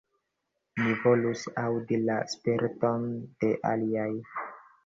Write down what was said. Mi volus aŭdi la sperton de aliaj.